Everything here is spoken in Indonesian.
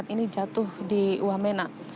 ini jatuh di wamena